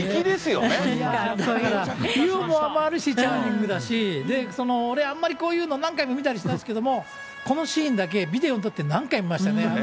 だからユーモアもあるし、チャーミングだし、俺、あんまりこういうの何回も見たりしないんですけど、このシーンだけビデオに撮って何回も見ましたね。